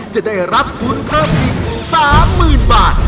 จะได้รับทุนเพิ่มอีก๓๐๐๐บาท